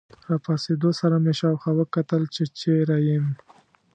له راپاڅېدو سره مې شاوخوا وکتل، چې چیرې یم.